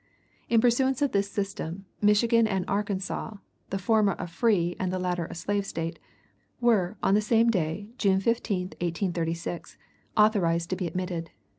In pursuance of this system, Michigan and Arkansas, the former a free and the latter a slave State, were, on the same day, June 15, 1836, authorized to be admitted.